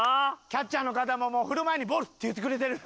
キャッチャーの方ももう振る前に「ボール」って言ってくれてる。